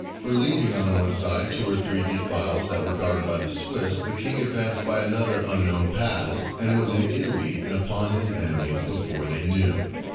For leaving on one side two or three defiles which were guarded by the Swiss, the king advanced by another unknown pass, and was in Italy and upon his enemies before they knew.